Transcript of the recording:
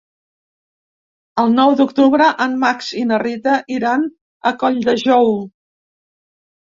El nou d'octubre en Max i na Rita iran a Colldejou.